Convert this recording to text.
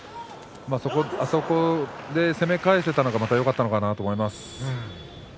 あそこで攻め返せたのがまたよかったのかなと思います。